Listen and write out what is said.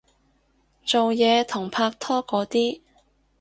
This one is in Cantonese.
做嘢同拍拖嗰啲